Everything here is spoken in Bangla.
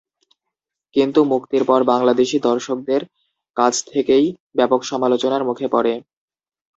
কিন্তু মুক্তির পর বাংলাদেশী দর্শকদের কাছ থেকেই ব্যাপক সমালোচনার মুখে পড়ে।